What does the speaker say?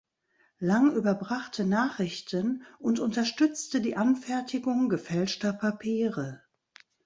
Lang überbrachte Nachrichten und unterstützte die Anfertigung gefälschter Papiere.